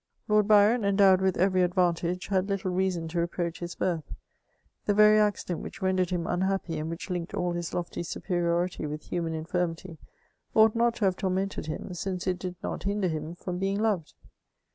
Lord Byron, endowed with every advantage, had little leasoa to reproadi his birth ; the very accident which rendered him unhappy, and which linked all his lofty superiority with human infirmi^, ought not to have tormented him, since it did not hinder him from being loved.